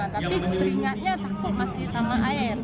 tapi keringatnya takut masih tanah air